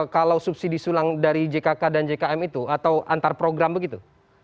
kalau subsidi sulang dari jkk dan jkm itu atau antar program begitu